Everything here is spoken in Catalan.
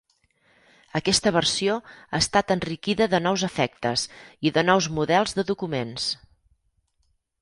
Aquesta versió ha estat enriquida de nous efectes i de nous models de documents.